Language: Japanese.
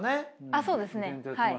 あそうですねはい。